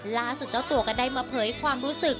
ล่าสุดเจ้าตัวก็ได้มาเผยความรู้สึก